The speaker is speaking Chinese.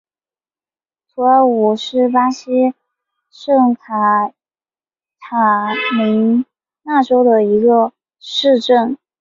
图尔武是巴西圣卡塔琳娜州的一个市镇。